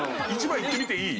１番いってみていい？